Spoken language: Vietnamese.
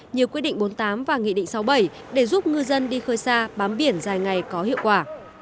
như quyết định bốn mươi tám và nghị định sáu bảy để giúp ngư dân đi khơi xa bám biển dài ngày có hiệu quả